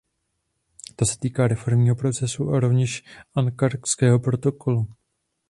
To se týká reformního procesu a rovněžAnkarského protokolu.